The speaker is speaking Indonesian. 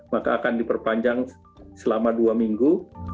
maka akan diperpanjang selama dua minggu